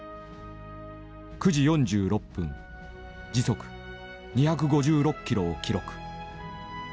９時４６分時速２５６キロを記録。